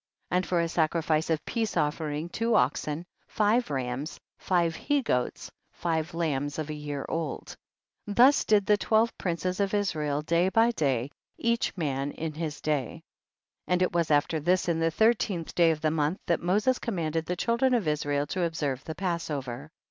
13. And for a sacrifice of peace offering, two oxen, five rams, five he goats, five lambs of a year old. 14. Thus did the twelve princes of Israel day by day, each man in his day. 15. And it was after this, in the thirteenth day of the month, that Moses commanded the children of Israel to observe the Passover.